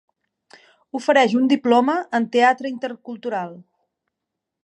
Ofereix un diploma en teatre intercultural.